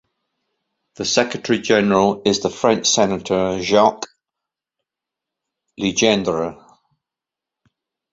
The Secretary General is the French senator Jacques Legendre.